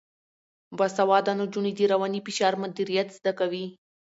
باسواده نجونې د رواني فشار مدیریت زده کوي.